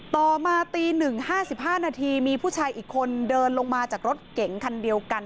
ต่อมาตี๑๕๕นาทีมีผู้ชายอีกคนเดินลงมาจากรถเก๋งคันเดียวกัน